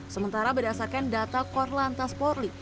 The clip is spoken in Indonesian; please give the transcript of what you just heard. sementara berdasarkan data korlantas polri